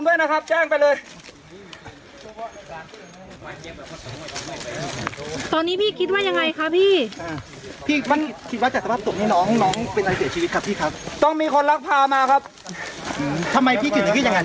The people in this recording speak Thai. เสียชีวิตครับพี่ครับต้องมีคนรักพามาครับอืมทำไมพี่กินอย่างงั้น